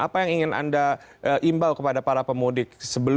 apa yang ingin anda imbau kepada para pemudik